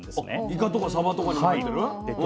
イカとかサバとかにも入ってる？